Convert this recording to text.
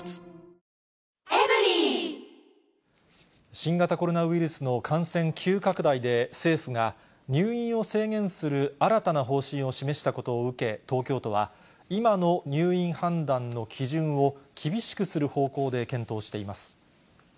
新型コロナウイルスの感染急拡大で、政府が入院を制限する新たな方針を示したことを受け、東京都は、今の入院判断の基準を厳しくする方向で検討しています。